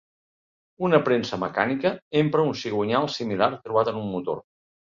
Una premsa mecànica empra un cigonyal similar trobat en un motor.